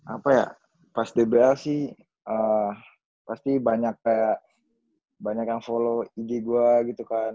apa ya pas dbl sih pasti banyak kayak banyak yang follow ide gue gitu kan